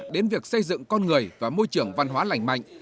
đến việc xây dựng con người và môi trường văn hóa lành mạnh